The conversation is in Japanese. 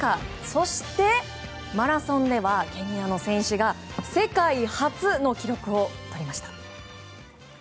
そして、マラソンではケニアの選手が世界初の記録をとりました。